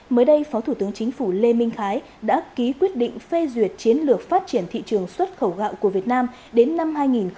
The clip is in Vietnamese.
mới đây phó thủ tướng chính phủ lê minh khái đã ký quyết định phê duyệt chiến lược phát triển thị trường xuất khẩu gạo của việt nam đến năm hai nghìn ba mươi